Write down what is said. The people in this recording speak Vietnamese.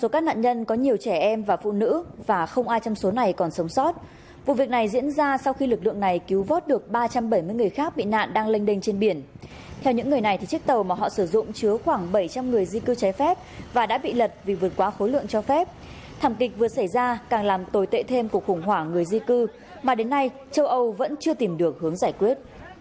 các bạn hãy đăng ký kênh để ủng hộ kênh của chúng mình nhé